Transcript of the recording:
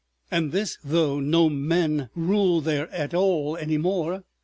And this though no men ruled there at all any more!